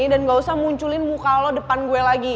dan gak usah munculin muka lo depan gue lagi